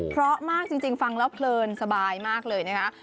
เพราะมากจริงฟังแล้วเพลินสบายมากเลยนะคะ